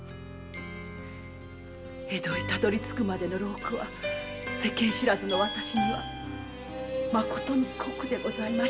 江戸にたどり着くまでの労苦は世間知らずの私には誠に酷でございました。